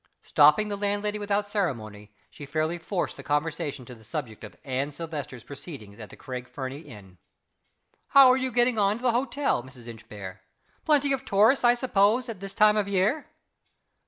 Stopping the landlady without ceremony, she fairly forced the conversation to the subject of Anne Silvester's proceedings at the Craig Fernie inn. "How are you getting on at the hotel, Mrs. Inchbare? Plenty of tourists, I suppose, at this time of year?"